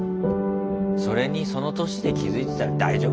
それにその年で気付いてたら大丈夫だ。